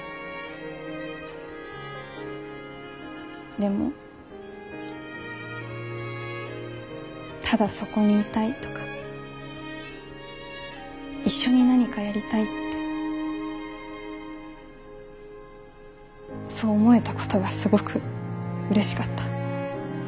でもただそこにいたいとか一緒に何かやりたいってそう思えたことがすごくうれしかった。